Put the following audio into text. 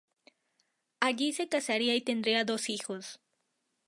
Allí se casaría y tendría dos hijos.